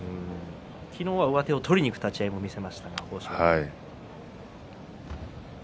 昨日は上手を取りにいく立ち合いを見せました。